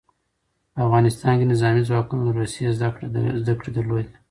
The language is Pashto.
په افغانستان کې نظامي ځواکونه له روسیې زدکړې درلودې.